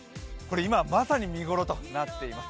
今、まさに見頃となっています。